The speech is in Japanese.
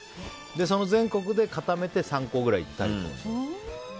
その全国で固めて３校ぐらい行ったりとか。